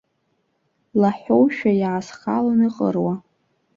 Лаҳәоушәа иаасхалон иҟыруа.